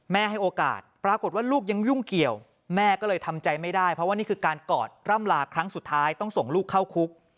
ให้โอกาสปรากฏว่าลูกยังยุ่งเกี่ยวแม่ก็เลยทำใจไม่ได้เพราะว่านี่คือการกอดร่ำลาครั้งสุดท้ายต้องส่งลูกเข้าคุก